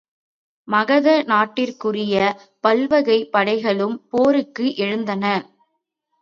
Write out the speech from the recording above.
மகத நாட்டிற்குரிய பல்வகைப் படைகளும் போருக்கு எழுந்தன.